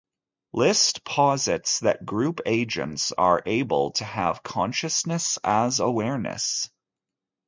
List posits that group agents are able to have consciousness as awareness.